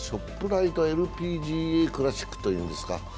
ライトＬＰＧＡクラシックというんですか。